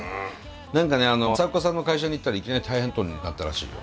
何かね朝岡さんの会社に行ったらいきなり大変なことになったらしいよ。